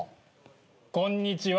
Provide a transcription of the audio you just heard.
こんにちは。